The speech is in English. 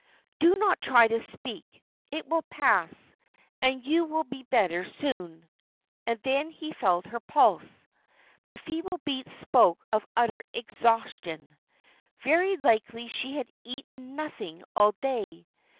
"Do not try to speak. It will pass, and you will be better soon." And then he felt her pulse. The feeble beats spoke of utter exhaustion. Very likely she had eaten nothing all day.